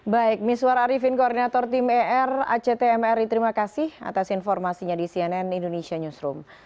baik miswar arifin koordinator tim er act mri terima kasih atas informasinya di cnn indonesia newsroom